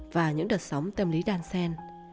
và những đợt sóng tâm lý đan xen